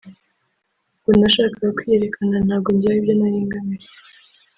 ngo nashakaga kwiyerekana ntabwo njyewe aribyo nari ngamije